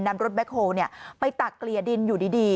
นำรถแบ็คโฮล์เนี่ยไปตักเกลี่ยดินอยู่ดี